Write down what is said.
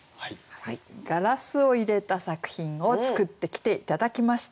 「ガラス」を入れた作品を作ってきて頂きました。